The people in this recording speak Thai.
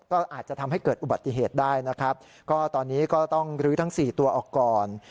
ก็อาจจะทำให้เกิดอุบัติเหตุได้นะครับก็ตอนนี้ก็ต้องลื้อทั้งสี่ตัวออกก่อน